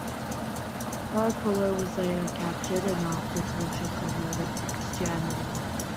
Horapollo was later captured and after torture converted to Christianity.